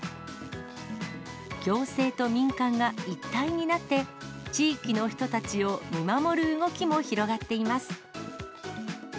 行政と民間が一体になって、地域の人たちを見守る動きも広がっています。